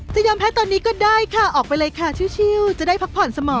จะยอมแพ้ตอนนี้ก็ได้ค่ะออกไปเลยค่ะชิลจะได้พักผ่อนเสมอ